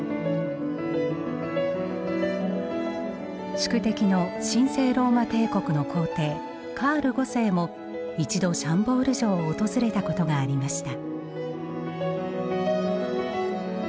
宿敵の神聖ローマ帝国の皇帝カール五世も一度シャンボール城を訪れたことがありました。